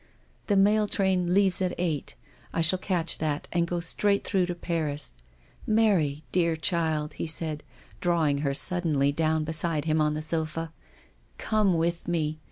The mail train leaves at eight — I shall catch that, and go straight through to Paris. Mary, dear child," he said, drawing her suddenly down beside him on the sofa, "come with me.